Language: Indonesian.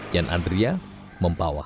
yan adria mempawah